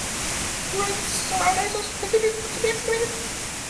Ruins around Assos continue to be excavated.